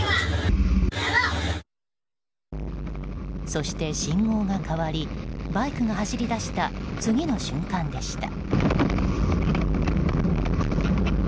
そして、信号が変わりバイクが走り出した次の瞬間でした。